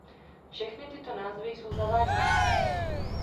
Všechny tyto názvy jsou zavádějící.